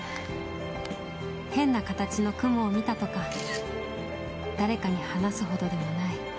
変な形の雲を見たとか誰かに話すほどでもない